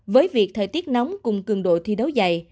với việc thời tiết nóng cùng cường độ thi đấu dày